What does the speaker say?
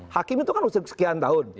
hakim itu kan usia sekian tahun